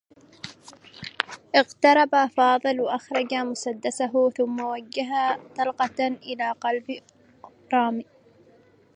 اقترب فاضل و أخرج مسدّسه ثمّ وجّه طلقة إلى قلب رامي.